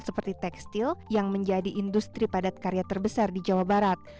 seperti tekstil yang menjadi industri padat karya terbesar di jawa barat